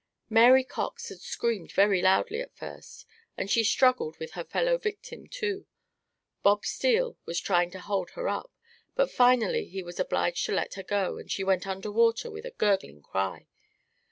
Mary Cox had screamed very loudly at first; and she struggled with her fellow victim, too. Bob Steele was trying to hold her up, but finally he was obliged to let her go, and she went under water with a gurgling cry.